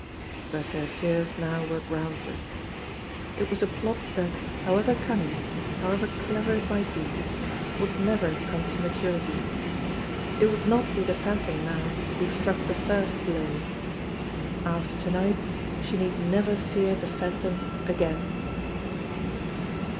But her fears now were groundless. It was a plot that, however cunning, how ever clever it might be, would never come to maturity. It would not be the Phantom now who struck the first blow. After to night she need never fear the Phantom again.